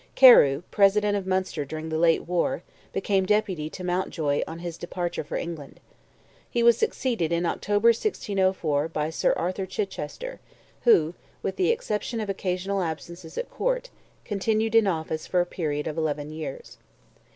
Carew, President of Munster during the late war, became Deputy to Mountjoy on his departure for England. He was succeeded in October, 1604, by Sir Arthur Chichester, who, with the exception of occasional absences at Court, continued in office for a period of eleven years.